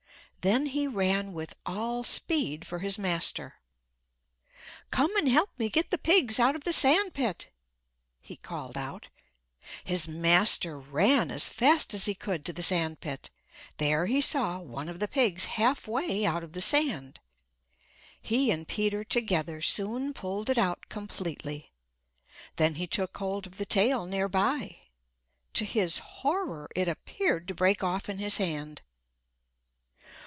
Then he ran with all speed for his master. [Illustration: He buried it halfway in the sand] "Come and help me get the pigs out of the sand pit!" he called out. His master ran as fast as he could to the sand pit. There he saw one of the pigs halfway out of the sand. He and Peter together soon pulled it out completely. Then he took hold of the tail nearby. To his horror it appeared to break off in his hand.